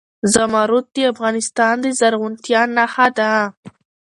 زمرد د افغانستان د زرغونتیا نښه ده.